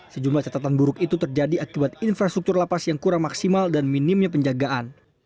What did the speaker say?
sejumlah catatan buruk itu terjadi akibat infrastruktur lapas yang kurang maksimal dan minimnya penjagaan